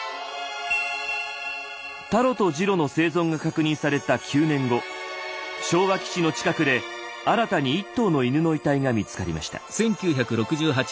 タロとジロの生存が確認された９年後昭和基地の近くで新たに１頭の犬の遺体が見つかりました。